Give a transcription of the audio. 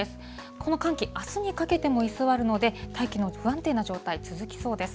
この寒気、あすにかけても居座るので、大気の不安定な状態、続きそうです。